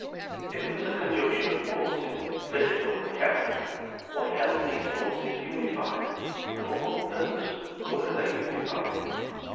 If it was a conjunction of forces, physical and chemical, what held these forces unified, and for what purpose were they unified?